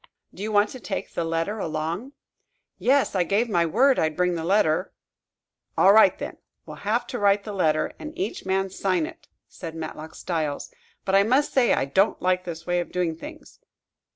"Do you want to take the letter along?" "Yes; I gave my word I'd bring the letter." "All right, then; we'll have to write the letter, and each man sign it," said Matlock Styles. "But, I must say, I don't like this way of doing things."